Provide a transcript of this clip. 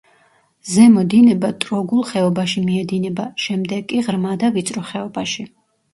ზემო დინება ტროგულ ხეობაში მიედინება, შემდეგ კი ღრმა და ვიწრო ხეობაში.